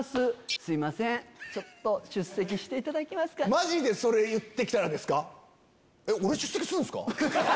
マジでそれ言って来たらですか。